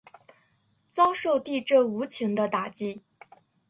遭受地震无情的打击